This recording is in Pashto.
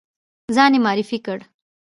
ځان یې معرفي کړ.